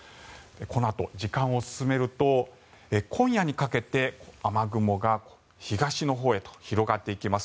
このあと、時間を進めると今夜にかけて雨雲が東のほうへと広がっていきます。